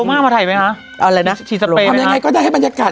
มากมาถ่ายไหมคะอะไรนะทำยังไงก็ได้ให้บรรยากาศ